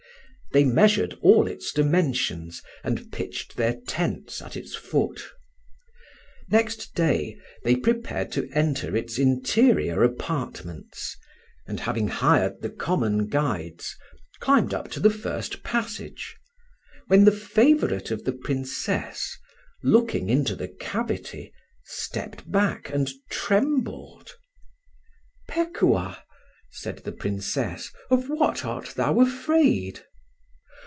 They measured all its dimensions, and pitched their tents at its foot. Next day they prepared to enter its interior apartments, and having hired the common guides, climbed up to the first passage; when the favourite of the Princess, looking into the cavity, stepped back and trembled. "Pekuah," said the Princess, "of what art thou afraid?"